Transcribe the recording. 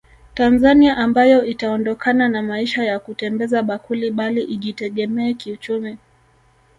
Tanzania ambayo itaondokana na maisha ya kutembeza bakuli bali ijitegemee kiuchumi